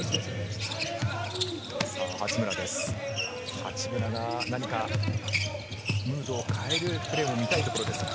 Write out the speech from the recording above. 八村が何かムードを変えるプレーを見たいところです。